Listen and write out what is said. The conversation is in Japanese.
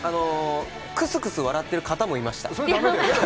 クスクス笑ってる方もいました。